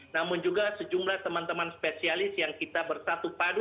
namun juga sejumlah teman teman spesialis yang kita bersatu padu